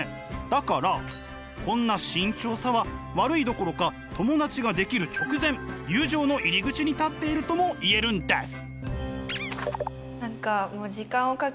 だからこんな慎重さは悪いどころか友達ができる直前友情の入り口に立っているとも言えるんです！